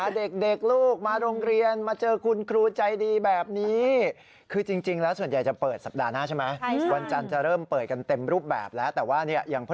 เด็กลูกมาโรงเรียนมาเจอคุณครูใจดีแบบนี้